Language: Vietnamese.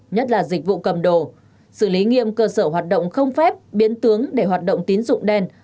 nhất là dịch vụ cầm đồ xử lý nghiêm cơ sở hoạt động không phép biến tướng để hoạt động tín dụng đen